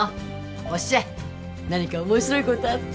おっしゃい何か面白いことあった？